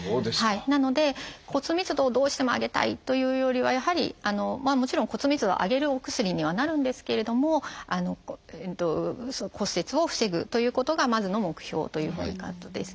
なので骨密度をどうしても上げたいというよりはやはりもちろん骨密度を上げるお薬にはなるんですけれども骨折を防ぐということがまずの目標ということになるんですね。